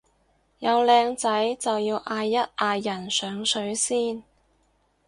有靚仔就要嗌一嗌人上水先